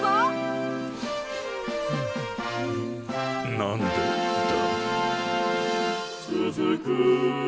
何でだ？